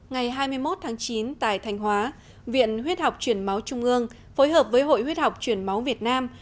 ngày hai mươi một tháng chín tại thanh hóa viện huyết học truyền máu trung ương phối hợp với hội huyết học truyền máu việt nam